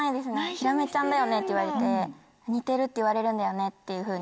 「ひらめちゃんだよね？」って言われて「似てるって言われるんだよね」っていうふうに。